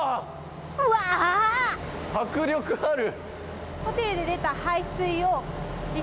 迫力ある！